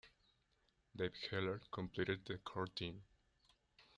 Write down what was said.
Dave Heller completed the core team.